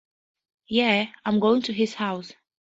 Yeah, I'm going to his house.